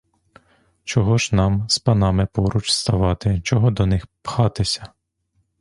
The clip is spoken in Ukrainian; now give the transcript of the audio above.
Чого ж нам з панами поруч ставати, чого до них пхатися?